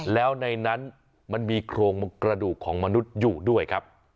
แล้วในนั้นมันมีโครงกระดูกของมนุษย์อยู่ด้วยครับ